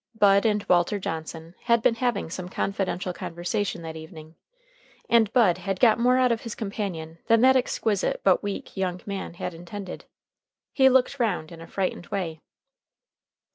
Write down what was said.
Bud and Walter Johnson had been having some confidential conversation that evening, and Bud had got more out of his companion than that exquisite but weak young man had intended. He looked round in a frightened way.